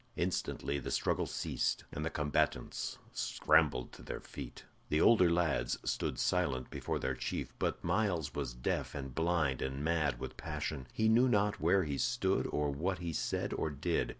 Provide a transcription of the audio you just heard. Instantly the struggle ceased, and the combatants scrambled to their feet. The older lads stood silent before their chief, but Myles was deaf and blind and mad with passion, he knew not where he stood or what he said or did.